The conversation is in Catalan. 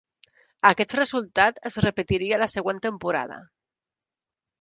Aquest resultat es repetiria la següent temporada.